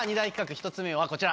１つ目はこちら。